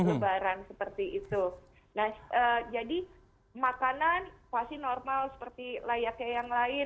nah jadi makanan pasti normal seperti layaknya yang lain